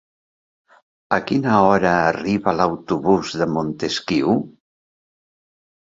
A quina hora arriba l'autobús de Montesquiu?